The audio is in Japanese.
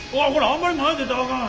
あんまり前出たらあかん。